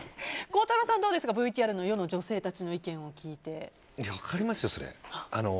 孝太郎さん、どうですかＶＴＲの世の女性たちの分かりますよ、それは。